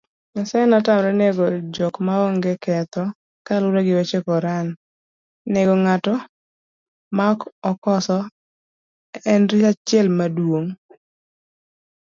Nyasaye notamre nego jok ma onge ketho kaluwowechequran, negong'atomaokokosoenachielkuomrichomadongo